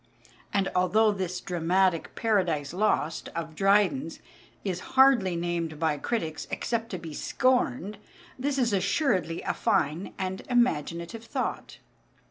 (And although this dramatic "Paradise Lost" of Dryden's is hardly named by critics except to be scorned, this is assuredly a fine and imaginative thought.)